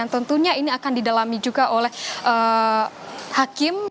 tentunya ini akan didalami juga oleh hakim